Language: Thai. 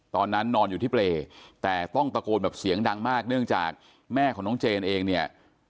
นอนอยู่ที่เปรย์แต่ต้องตะโกนแบบเสียงดังมากเนื่องจากแม่ของน้องเจนเองเนี่ย